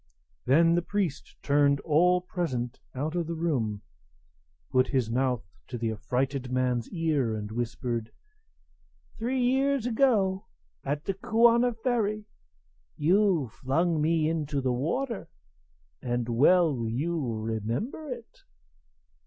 Then the priest turned all present out of the room, put his mouth to the affrighted man's ear, and whispered: "Three years ago, at the Kuana ferry, you flung me into the water; and well you remember it."